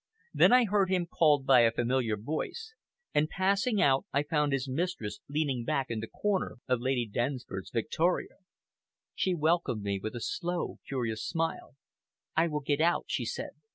Then I heard him called by a familiar voice, and passing out, I found his mistress leaning back in the corner of Lady Dennisford's victoria. She welcomed me with a slow, curious smile. "I will get out," she said.